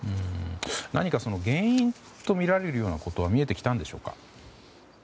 何かその原因とみられるようなことは見えてきたんでしょうか。